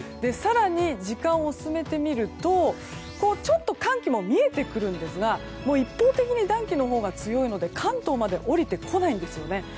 更に、時間を進めてみるとちょっと寒気も見えてくるんですが一方的に暖気のほうが強いので関東まで降りてこないんですね。